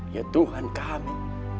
ya tuhan kami